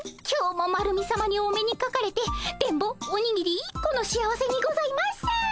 今日もマルミさまにお目にかかれて電ボおにぎり１個の幸せにございます。